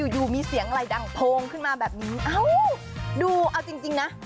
อยู่มีเสียงอะไรดังโพงขึ้นมาแบบนี้เอ้าดูเอาจริงนะ